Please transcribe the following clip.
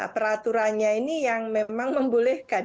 peraturannya ini yang memang membolehkan